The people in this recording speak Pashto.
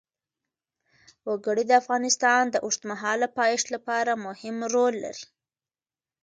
وګړي د افغانستان د اوږدمهاله پایښت لپاره مهم رول لري.